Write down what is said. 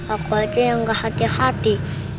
aku aja yang gak hati hati